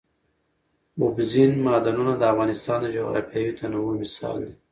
اوبزین معدنونه د افغانستان د جغرافیوي تنوع مثال دی.